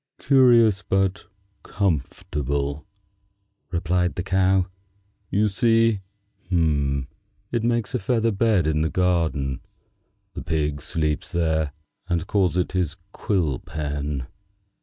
"Curious, but comfortable," replied the Cow. "You see, it makes a feather bed in the garden. The pig sleeps there, and calls it his quill pen.